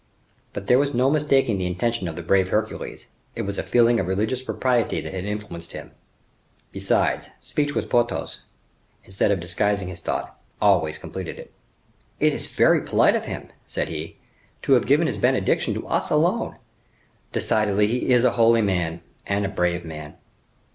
But there was no mistaking the intention of the brave Hercules; it was a feeling of religious propriety that had influenced him. Besides, speech with Porthos, instead of disguising his thought, always completed it. "It is very polite of him," said he, "to have given his benediction to us alone. Decidedly, he is a holy man, and a brave man."